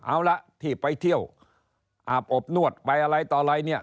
เอาละที่ไปเที่ยวอาบอบนวดไปอะไรต่ออะไรเนี่ย